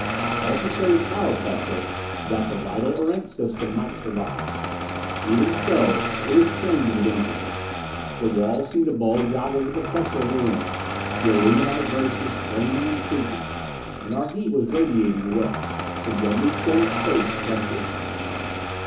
All to save power pressure, that the vital Erentz system might survive. Even so it was strained to the danger point. The walls seemed to bulge outward with the pressure of the room, the aluminite braces straining and creaking. And our heat was radiating away; the deadly chill of space crept in.